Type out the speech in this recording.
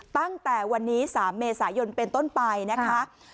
ตั้งแต่วันนี้๓เมษายนเป็นต้นไปนะคะ